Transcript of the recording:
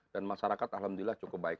dan masyarakat alhamdulillah cukup baik